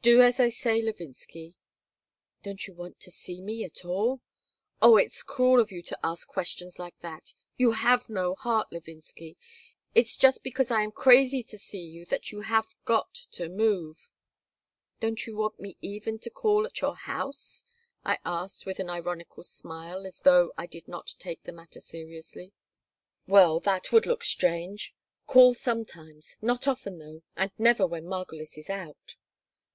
Do as I say, Levinsky." "Don't you want to see me at all?" "Oh, it's cruel of you to ask questions like that. You have no heart, Levinsky. It's just because I am crazy to see you that you have got to move." "Don't you want me even to call at your house?" I asked, with an ironical smile, as though I did not take the matter seriously "Well, that would look strange. Call sometimes, not often, though, and never when Margolis is out."